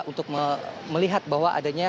untuk melihat bahwa adanya